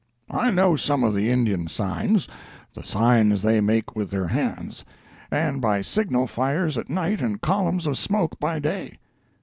I know some of the Indian signs—the signs they make with their hands, and by signal fires at night and columns of smoke by day.